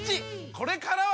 これからは！